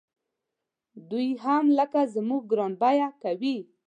دوی یې هم لکه زموږ ګران بیه کوي.